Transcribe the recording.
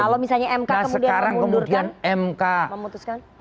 kalau misalnya mk kemudian mengundurkan